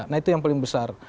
nah itu yang paling besar